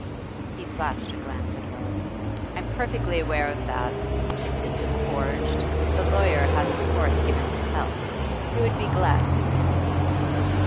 He flashed a glance at her. 'I'm perfectly aware of that. If this is forged, the lawyer has of course given his help. He would be glad to see me.